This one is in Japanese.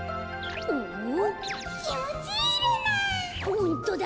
ホントだ